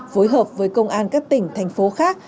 phối hợp với công an các tỉnh thành phố khác